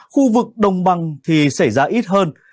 khu vực đồng băng thì xảy ra ít hơn